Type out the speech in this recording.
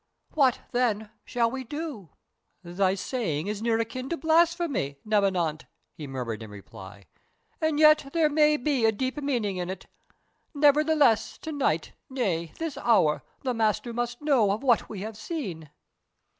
What, then, shall we do?" "Thy saying is near akin to blasphemy, Neb Anat," he murmured in reply, "and yet there may be a deep meaning in it. Nevertheless, to night, nay, this hour, the Master must know of what we have seen."